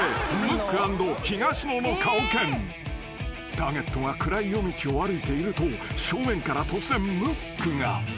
［ターゲットが暗い夜道を歩いていると正面から突然ムックが］